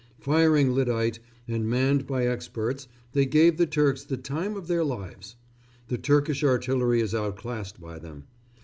Firing lyddite, and manned by experts, they gave the Turks the time of their lives. The Turkish artillery is outclassed by them.